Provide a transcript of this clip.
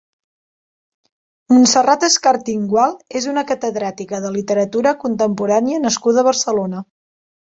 Montserrat Escartín Gual és una catedràtica de literatura contemporània nascuda a Barcelona.